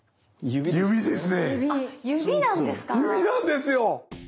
⁉指なんですよ！